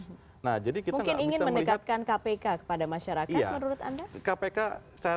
mungkin ingin mendekatkan kpk kepada masyarakat menurut anda